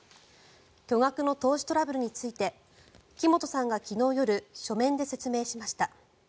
巨額の投資トラブルについて木本さんが昨日夜書面で説明しました。